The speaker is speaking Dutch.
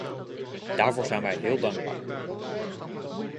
Daarvoor zijn wij heel dankbaar.